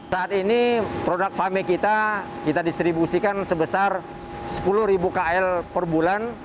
saat ini produk fame kita kita distribusikan sebesar sepuluh ribu kl per bulan